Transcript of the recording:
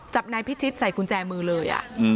จับนายพิชิตใส่กุญแจมือเลย